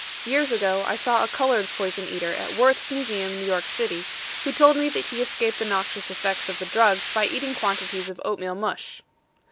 Years ago I saw a colored poison eater at Worth's Museum, New York City, who told me that he escaped the noxious effects of the drugs by eating quantities of oatmeal mush.